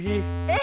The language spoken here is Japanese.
え！